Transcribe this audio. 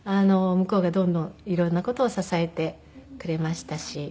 向こうがどんどん色んな事を支えてくれましたし。